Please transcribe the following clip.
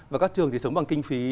và các trường thì sống bằng kinh phí